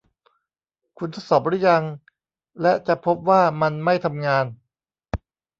คุณทดสอบรึยัง และจะพบว่ามันไม่ทำงาน